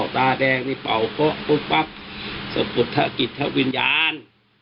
ตาแดงเปล่าโขปุ๊บปับจะปุ๊บถ้ากริตควันยาน